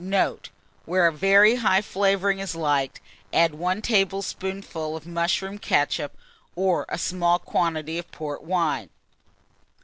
Note. Where a very high flavouring is liked, add 1 tablespoonful of mushroom ketchup, or a small quantity of port wine.